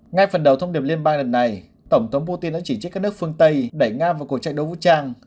ngay phần đầu thông điệp liên bang lần này tổng thống putin đã chỉ trích các nước phương tây đẩy nga vào cuộc chạy đua vũ trang